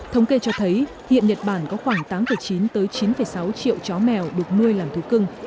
thống kê cho thấy hiện nhật bản có khoảng tám chín tới chín sáu triệu chó mèo được nuôi làm thú cưng